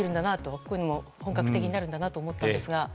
こういうのも本格的になるんだなと思ったんですが。